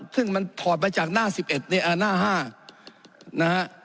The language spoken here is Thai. ซึ่งมันถอดไปจากหน้า๕